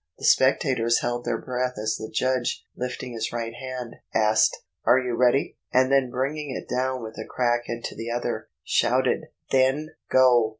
The spectators held their breath as the judge, lifting his right hand, asked,— "Are you ready!" and then bringing it down with a crack into the other, shouted, "Then—go!"